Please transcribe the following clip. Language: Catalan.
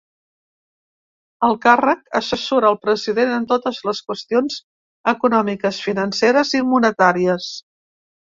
El càrrec: assessora el president en totes les qüestions econòmiques, financeres i monetàries.